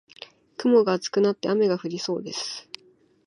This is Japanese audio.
雲が厚くなって雨が降りそうです。